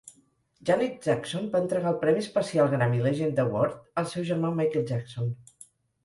Janet Jackson va entregar el premi especial Grammy Legend Award al seu germà Michael Jackson.